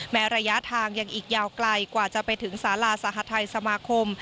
ระยะทางยังอีกยาวไกลกว่าจะไปถึงสาราสหทัยสมาคม